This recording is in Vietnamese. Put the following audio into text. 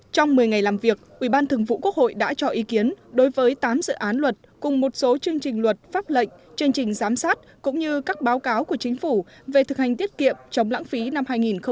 trong một mươi ngày làm việc ubthqh đã cho ý kiến đối với tám dự án luật cùng một số chương trình luật pháp lệnh chương trình giám sát cũng như các báo cáo của chính phủ về thực hành tiết kiệm chống lãng phí năm hai nghìn một mươi tám